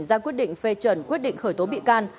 ra quyết định phê chuẩn quyết định khởi tố bị can